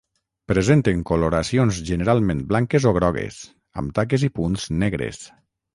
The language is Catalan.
Presenten coloracions generalment blanques o grogues, amb taques i punts negres.